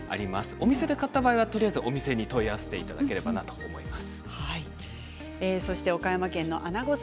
お店で買った場合はとりあえずお店に問い合わせていただければと思います。